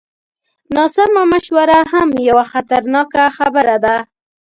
ناسمه مشوره هم یوه خطرناکه خبره ده.